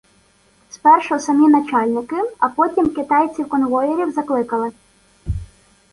Спершу самі начальники, а потім китайців-конвоїрів закликали.